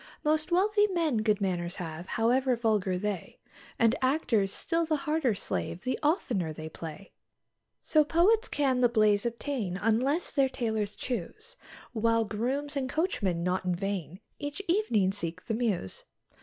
Most wealthy men good manors have, however vulgar they; And actors still the harder slave the oftener they play. So poets can't the baize obtain, unless their tailors choose; While grooms and coachmen not in vain each evening seek the Mews.